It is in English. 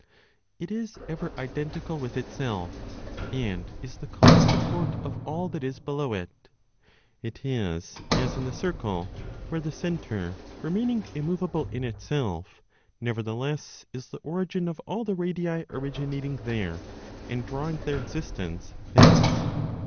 It is ever identical with itself, and is the common support of all that is below it. It is as in the circle, where the centre, remaining immovable in itself, nevertheless is the origin of all the radii originating there, and drawing their existence thence.